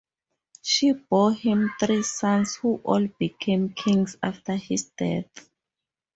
She bore him three sons who all became kings after his death.